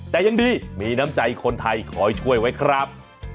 แต่ยังดีมีน้ำใจคนไทยคอยช่วยไว้ครับ